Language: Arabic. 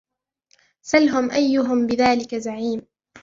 سَلْهُم أَيُّهُم بِذَلِكَ زَعِيمٌ